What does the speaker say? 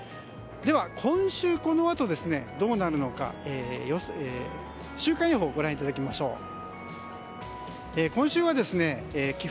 では、今週このあとどうなるのか週間予報をご覧いただきましょう。